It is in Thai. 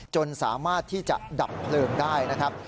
จนสามารถที่จะดับเพลิงได้นะครับ